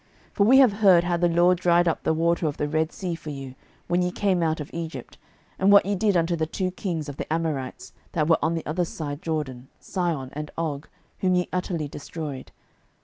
06:002:010 For we have heard how the LORD dried up the water of the Red sea for you, when ye came out of Egypt; and what ye did unto the two kings of the Amorites, that were on the other side Jordan, Sihon and Og, whom ye utterly destroyed.